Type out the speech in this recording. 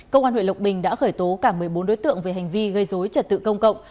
công an huyện lộc bình đã khởi tố cả một mươi bốn đối tượng về hành vi gây dối trật tự công cộng